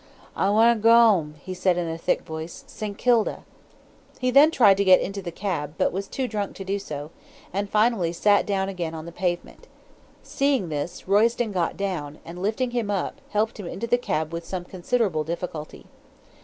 'I wan' g'ome,' he said in a thick voice, 'St. Kilda.' He then tried to get into the cab, but was too drunk to do so, and finally sat down again on the pavement. Seeing this, Royston got down, and lifting him up, helped him into the cab with some considerable difficulty.